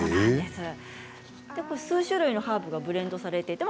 数種類のハーブがブレンドされています。